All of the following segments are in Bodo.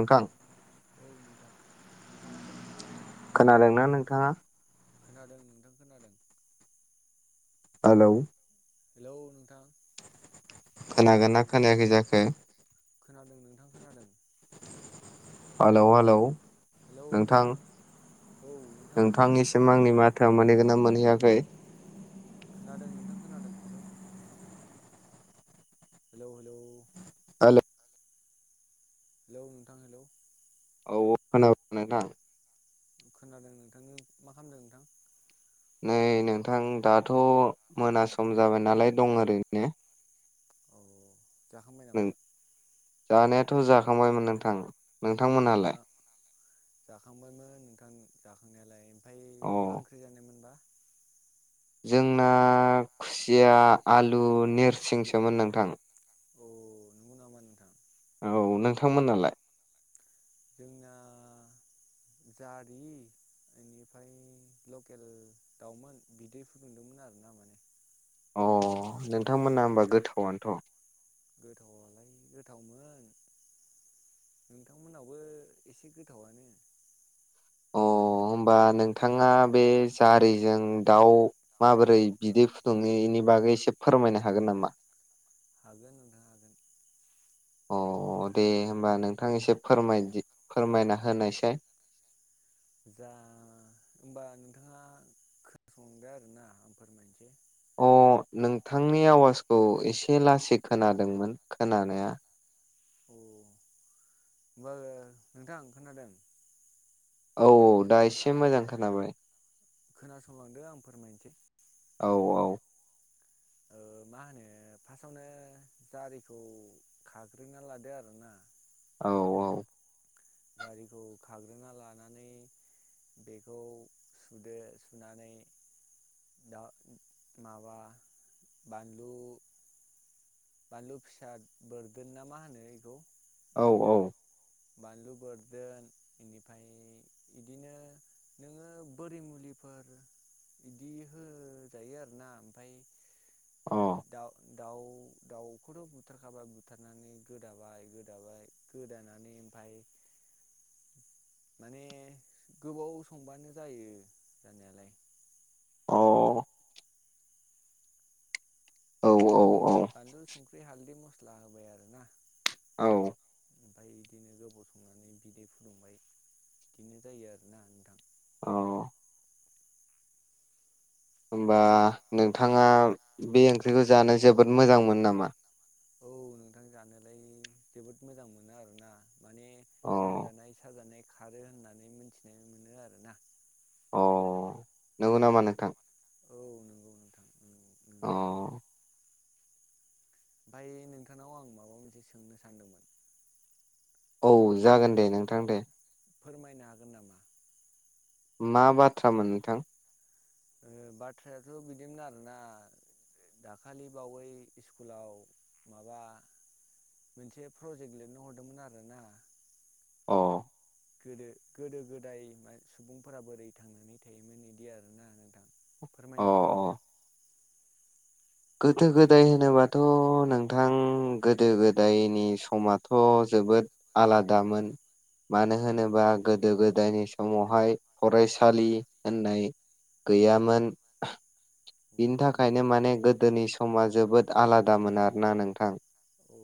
नोंथां? औ नोंथां मा खालामामदो? खोनादोंना नोंथाङा? खोनादों नोंथां खोनादों। हेलौ हेलौ नोंथां? खोनागोनना खोनायाखै जाखो। खोनादों नोंथां खोनादों। हेलौ हेलौ नोंथां। औ नोंथां खोनादों नोंथांनिसिम आंनि माथायाव मोनहैगोन ना मोनहैयाखै? खोनादों नोंथां खोनादों hello hello hello hello hello नोंथां हेलौ अ खोनाबाय नोंथां। खोनादों नोंथांनि मा खालामदों नोंथां? नै नोंथां दाथ' मोना सम जाबायनालाय दं ओरैनो। औ जाखांबाय नों नामा? जानायाथ जाखांबायमोन नोंथां नोंथांमोनहालाय। मा जाखांबायमोन नोंथां जाखांनायालाय ओमफ्राय अ मा ओंख्रि जानायमोनबा? जोंना खुसिया आलु नेरसिंसोमोन नोंथां। अ नंगौ नामा नोंथां औ नोंथांमोन नालाय। जोंना जारि। बेनिफ्राय लकेल दावउमोन बिदै फुदुंदोंमोन आरो ना माने। अ नोंथांमोना होमबा गोथावनोथ। गोथावआलाय गोथावमोन। नोंथांमोनाबो एसे गोथावआनो। अ होमबा नोंथांङा बे जारिजों दाउ माबोरै बिदै फुदुंङो इनि बागै। बागै एसे फोरमायनो हागोन नामा। हागोन नोंथां दा हागोन। अ दे होमबा नोंथां एसे फोर- फोरमायना होनायसाय। दे होमबा नोंथांङा खोनासंदो आरोना आं फोरमायनोसोय। अ नोंथांनि आवाजखौ एसे लासै खोनादोंमोन खोनानाया। अ होमबा नोंथां खोनादों। औ औ दा एसे मोजां खोनाबाय। खोनासंलांदो आं फोरमायनोसै। औ औ औ। मा होनो फास्टावनो जारिखौ खाग्रोना लादो आरो ना। औ औ। जारिखौ खाग्रोना लानानै। बेखौ सुदो सुनानै। दा माबा बानलु। बानलु फिसा बोरदोन ना मा होनो बेखौ। औ औ। बानलु बोरदोन बेनिफ्राय बिदिनो नोंङो बरि मुलि। फोर बिदि होजायो आरो ना ओमफाय। अ। दाउ दाउखौथ बुथारखाबाय बुथारनानै गोदाबाय गोदाबाय गोदानानानै। ओमफ्राय। माने गोबाव संबानो जायो जानायालाय। औ। औ औ औ। फस्ला होबाय आरो ना। औ। ओमफ्राय बिदिनो गोबाव संनानै बिदै फुदुंबाय बिदिनो जायो आरोना नोंथां। औ। होमबा नोंथाङा बे ओंख्रिखौ जानो जोबोद मोजांमोनो नामा। औ नोंथां जानोलाय जोबोद मोजां मोनो आरोना। माने अ लोमजानाय साजानाय खारो होननानै मोनथिनाय मोनो आरोना। अ नंगौ नामा नोंथां। औ नंगौ नोंथां अ। नोंनायालाय ओमफ्राय नोंथांनाव आं माबा मोनसे सोंनो सानदोंमोन। औ फोरमाय जागोन दे नोंथां दे। फोरमायनो हागोन नामा। मा बाथ्रामोन नोंथां। बाथ्रायाथ बिदिनो आरोना। दाखालि बावै स्कुलाव माबा। मोनसे प्रजेक्ट लिरनो हरदोंमोन आरोना। अ गोदो गोदो गोदाय सुबुंफोरा बोरै थांनानै थायोमोन बिदि आरोना अ फोरमायनो हागोन नामा गोदो गोदाय होनोबाथ' नोंथां गोदो गोदायनि समाथ'‌ जोबोद आलादामोन मानो होनोबा गोदो गोदायनि समावहाय फरायसालि होननाय गैयामोन थाखायनो माने गोदोनि समा बिनि थाखायनो माने गोदोनि समा जोबोद आलादामोन आरोना नोंथां औ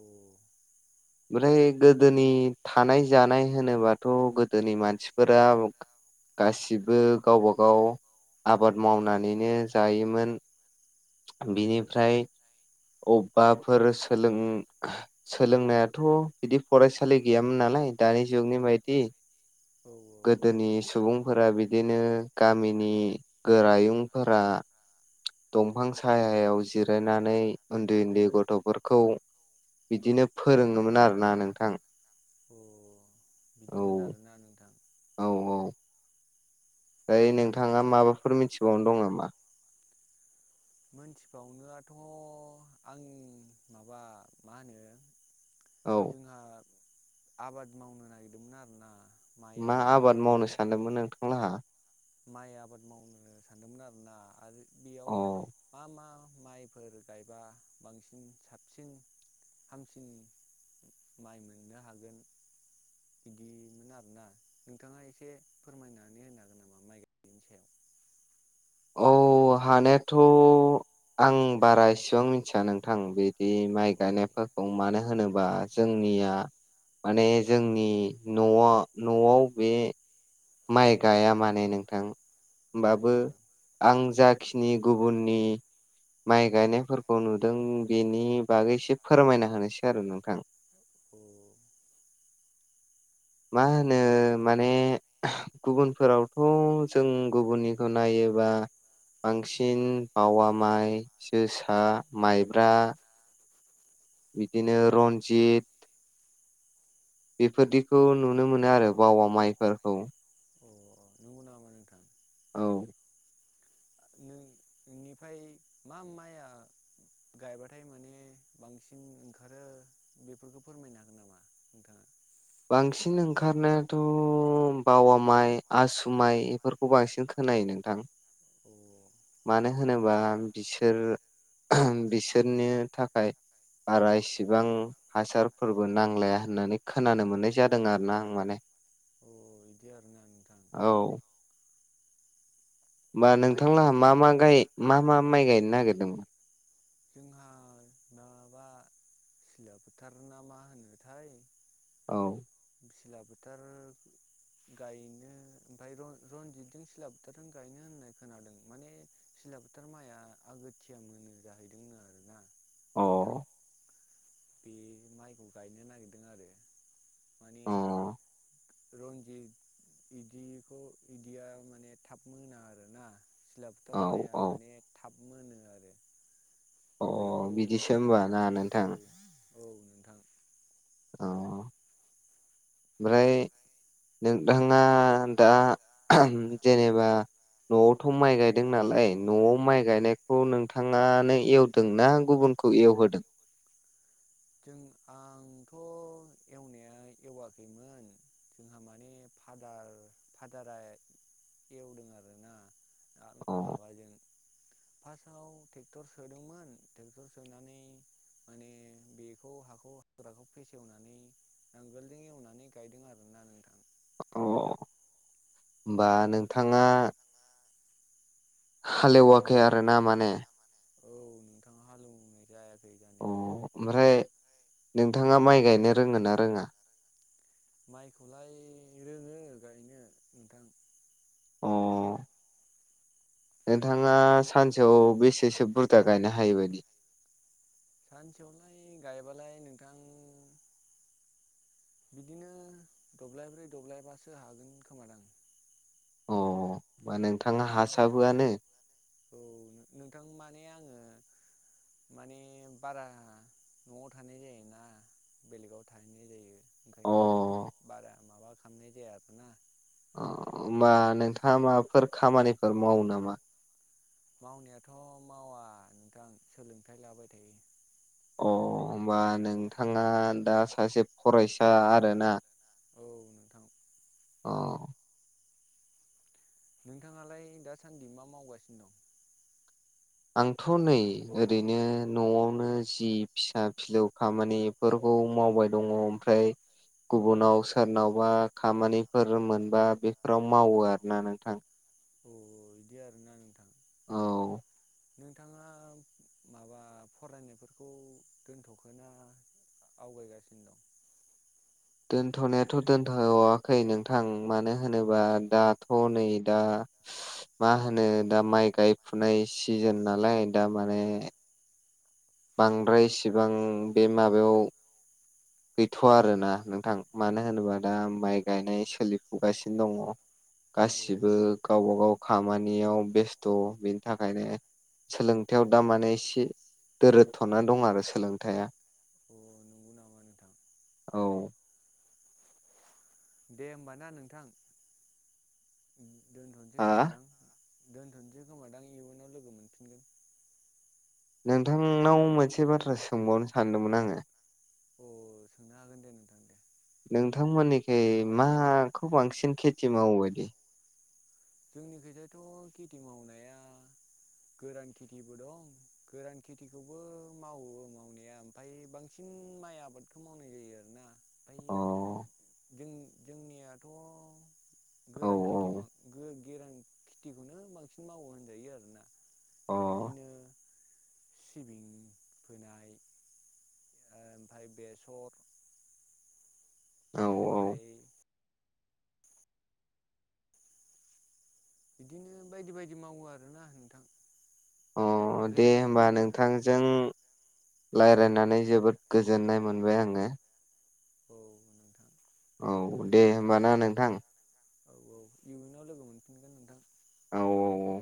ओमफ्राय गोदोनि थानाय जानाय होनोबाथ' गोदोनि मानसिफोरा गासिबो गावबा गाव आबाद मावनानैनो जायो मोन बिनिफ्राय अबेबाफोर सोलों सोलोंनायाथ' बिदि फरायसालि गैयामोन नालाय दानि जुगनि बायदि जोबोद गोदोनि सुबुंफोरा बिदिनो गामिनि गोरायुंफोरा दंफां सायायाव जिरायनानै उन्दै उन्दै गथ'फोरखौ बिदिनो फोरोङोमोन आरोना नोंथां अ बिदिमोन आरोना नोंथां दायै नोंथाङा माबाफोर मिथिबावनो दं नामा मोनथिबावनोयाथ' आं माबा मा होनो औ जोंहा आबाद मावनो नागिरदोंमोन आरोना मा आबाद मावनो सानदोंमोन नोंथांलाहा माइ आबाद मावनो सानदोंमोन आरोना आरो बेयाव अ मा मा माइफोर गायबा बांसिन साबसिन हामसिन माइ मोननो हागोन बिदिमोन आरोना नोंथाङा एसे फोरमायनानै होनो हागोन नामा माइ गायनायनि सायाव? औ हानायाथ' आं बारा इसिबां मिथिया नोंथां बिदि माइ औ गायनायफोरखौ मानो होनोबा जों निया माने जोंनि न' न'आव बे माइ गाया माने नोंथां औ होमबाबो आं जाखिनि गुबुननि माइ गायनायफोरखौ नुदों बेनि बागै एसे फोरमायना होनोसै आरो नोंथां अ मा होनो माने गुबुनफोरावथ' जों गुबुननिखौ नायोबा बांसिन बावा माइ जोसा माइब्रा बिदिनो रन्जित बेफोरदिखौ नुनो मोनो आरो बावा माइफोरखौ अ नंगौ नामा नोंथां औ बेनिफ्राय मा माइ आ गायबाथाय माने बांसिन ओंखारो बेफोरखौ फोरमायनो हागोन नामा नोंथाङा बांसिन ओंखारनायाथ' बावा माइ आसु माइ बेफोरखौ बांसिन खो नायो नोंथां अ मानो होनोबा बिसोर बिसोरनि थाखाय बारा इसिबां हासारफोरबो नांलाया होननानै खोनानो मोननाय जादों आरोना आं माने अ इदि आरोना नोंथां औ होमा ओमफ्राय नोंथांलाहा मा मा गायमा मा माइ गायनो नागिरदों? जोंहा माबा सिला फोथार ना मा होनोथाय औ सिला फोथार गायनो ओमफ्राय रनजितजों सिला बोथोरजों गायनो होननाय खोनादों माने दैला फोथार माइआ आगोथिया मोनो जाहैदोंनो आरो ना अ नोंथां बे माइखौ गायनो नागिरदों आरो माने अ रन्जित बिदिखौ बिदिया माने थाब मोना आरोना सिला औ फोथार माइआ औ माने थाब मोनो आरो अ बेखौ बिदिसो होम्बा ना औ नोंथां औ नोंथां अ ओमफ्राय नोंथाङा दा जेनेबा न'आवथ' माइ गायदों नालाय न'आव माइ गायनायखौ नोंथाङानो एवदोंना गुबुन खौ एवहोदों? [inaudible] जों आंथ' एवनाया एवाखैमोन जोंहा माने फादार-फादारा एवदों आरोना आरो अ माबाजों फासाव टेक्टर सोदोंमोन टेक्टर सोनानै माने बे बेखौ हाखौ हाग्राखौ फेसेवनानै नांगोलजों एवनानै गायदों आरोना नोंथां अ होम्बा नोंथाङा हालेवाखै आरो ना माने औ नोंथां हालेवनाय जायाखै अ जानायालाय ओमफ्राय नोंथाङा माइ गायनो रोंङो ना रोंङा? माइखौलाय रोंङो गायनो नोंथां अ नोंथाङा सानसेयाव बेसेसो बुरजा गायनो हायोबायदि? सानसेयावलाय गायबालाय नोंथां बिदिनो दब्लाइब्रै दब्लाइबासो हागोन खोमा दां अ होमबा नोंथाङा माने हासाबोआनो औ नोंथां माने आंङो माने बारा न'आव थानाय जायाना बेलेगाव थाहैनाय जायो। अ ओंखायनो बारा माबा खामनाय जायाथ'ना होमबा नोंथाङा माबाफोर खामानिफोर मावो नामा? मावनायाथ' मावा नोंथां सोलोंथाइ लाबाय थायो। अ होमबा नोंथाङा दा सासे फरायसा आरोना औ नोंथां अ नोंथाङालाय दासान्दि मा मावगासिनो दं? आंथ' नै ओरैनो न'आवनो जि फिसा फिलौ खामानिफोरखौ खौ मावबाय दङ ओमफ्राय गुबुनाव सोरनावबा खामानिफोर मोनबा बेफोराव मावो आरोना नोंथां अ बिदि आरोना नोंथां औ नोंथाङा माबा फरायनायफोरखौ दोनथ'खोना आवगायगासिनो दं? दोनथ'नायाथ' दोनथखै नोंथां मानो होनोबा दाथ' नै दा मा होनो दा माइ गायफुनाय सिजोन नालाय दा माने बांद्रायसिबां बे माबायाव बेथ' नोंथां गैथ'वा आरोना नोंथां मानो होनोबा दा माइ गायनाय सोलिफुगासिनो दङ। औ अ गासिबो गावबा गाव खामानियाव बेस्थ' बेनि थाखायनो सोलोंथायाव दा माने इसे दोरोद थ'ना दं आरो सोलोंथाया अ नंगौना औ। दे होमब ना नोंथां दोनथ'नोसै हा खोमादां। दोनथ'सै खोमा दां इउन आव लोगो मोनफिनगोन। नोंथांनाव मोनसे बाथ्रा सोंबावनो सानदोंमोन आंङो। अ सोंनो हागोन दे नोंथां दे। नोंथांमोनिखै माखौ बांसिन खेथि मावो इदि जोंनिखिजायथ' खेथि मावनाया गोरान खेथिबो दं गोरान खेथिखौबो मावो मावनाया ओमफाय बांसिन माइ आबादखौ मावनाय जायो आरो ना। ओमफाय अ जों जोंनियाथ' औ गोरान खेथि बां गो गेरां खेथिखौनो बांसिन मावो होनजायो आरोना बिदिनो सिबिं फोनाय ओमफाय बेसर अ औ बेनिफाय औ बिदिनो बायदि बायदि मावो आरोना नोंथां। अ दे गोरान खेथि होमबा होनबाथ' नोंथांजों रायलायनानै जोबोद गोजोननाय मोनबाय आङो। औ नोंथां। औ दे होमबा ना नोंथां। औ औ इउनाव लोगो मोनफिनगोन नोंथां। औ औ